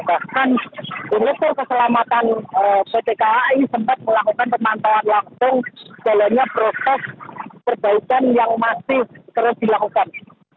bahkan penelusur keselamatan pt kai sempat melakukan penantauan langsung jalannya proses perbaikan yang masih terus dilakukan